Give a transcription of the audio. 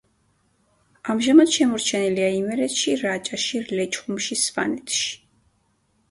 ამჟამად შემორჩენილია იმერეთში, რაჭაში, ლეჩხუმში, სვანეთში.